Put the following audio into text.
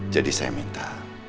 jadi saya minta